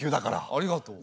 ありがとう。